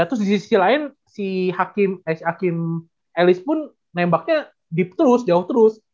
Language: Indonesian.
ya terus di sisi lain si akeem ellis pun nembaknya deep terus jauh terus